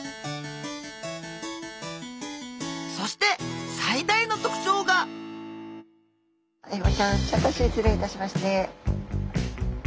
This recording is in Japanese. そして最大の特徴がアイゴちゃんちょっと失礼いたしますね。